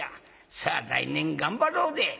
さあ来年頑張ろうで！」。